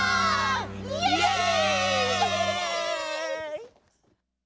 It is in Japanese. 「イエーイ！」